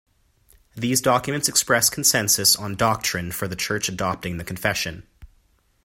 These documents express consensus on doctrine for the church adopting the confession.